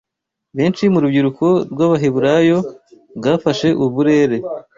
benshi mu rubyiruko rw’Abaheburayo rwafashe uburere